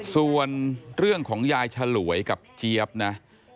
ส่วนเรื่องของยายฉลวยกับเจี๊ยบนะ